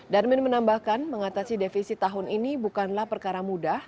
darmin menambahkan mengatasi defisit tahun ini bukanlah perkara mudah